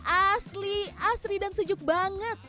asli asri dan sejuk banget